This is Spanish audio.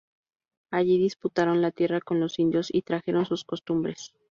Allí disputaron la tierra con los indios y trajeron sus costumbres.